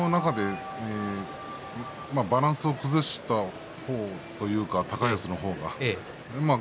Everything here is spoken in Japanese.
突きの中でバランスを崩したというか高安の方がですね。